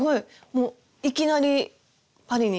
もういきなりパリに？